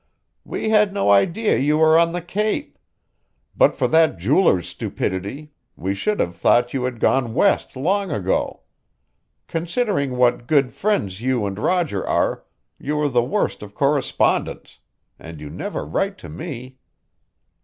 "We had no idea you were on the Cape. But for that jeweler's stupidity we should have thought you had gone west long ago. Considering what good friends you and Roger are, you are the worst of correspondents; and you never write to me."